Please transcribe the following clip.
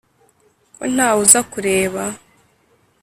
ko ntawe uza kureba?